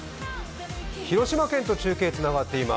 広島県と中継がつながっています。